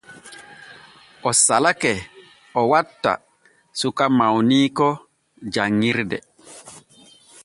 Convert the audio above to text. O salake o watta suka mawniiko janŋirde.